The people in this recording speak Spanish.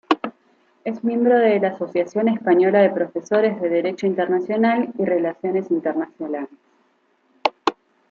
Es miembro de la Asociación Española de Profesores de Derecho Internacional y Relaciones Internacionales.